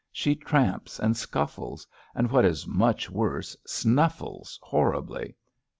She tramps and scuflBes ; and, what is much worse, snuffles horribly.